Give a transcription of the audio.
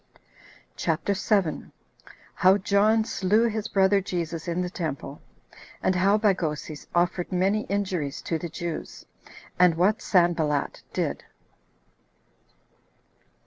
CHAPTER 7. How John Slew His Brother Jesus In The Temple; And How Bagoses Offered Many Injuries To The Jews; And What Sanballat Did.